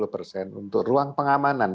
dua puluh persen untuk ruang pengamanan